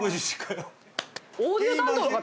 オーディオ担当の方？